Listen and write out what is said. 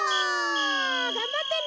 がんばってね。